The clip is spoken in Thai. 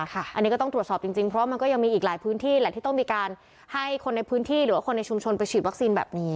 อันนี้ก็ต้องตรวจสอบจริงเพราะมันก็ยังมีอีกหลายพื้นที่แหละที่ต้องมีการให้คนในพื้นที่หรือว่าคนในชุมชนไปฉีดวัคซีนแบบนี้